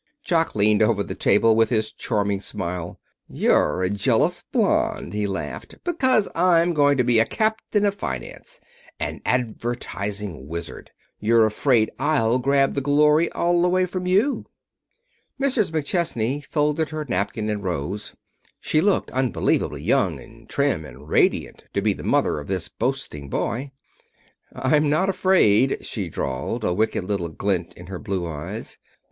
Jock leaned over the table, with his charming smile. "You're a jealous blonde," he laughed. "Because I'm going to be a captain of finance an advertising wizard; you're afraid I'll grab the glory all away from you." [Illustration: "'You're a jealous blond,' he said"] Mrs. McChesney folded her napkin and rose. She looked unbelievably young, and trim, and radiant, to be the mother of this boasting boy. "I'm not afraid," she drawled, a wicked little glint in her blue eyes.